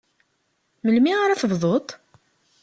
Melmi ara tebduḍ?